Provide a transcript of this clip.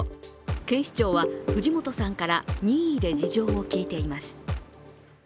警視庁は藤本さんから任意で事情を聞いています。